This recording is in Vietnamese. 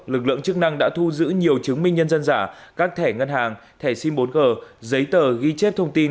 lực lượng chức năng đã thu giữ nhiều chứng minh nhân dân giả các thẻ ngân hàng thẻ sim bốn g giấy tờ ghi chép thông tin